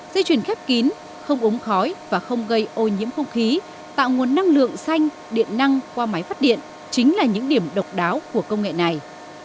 dây chuyển khép kín không ống khói và không gây ô nhiễm không khí tạo nguồn năng lượng xanh điện năng qua máy phát điện chính là những điểm độc đáo của công nghệ này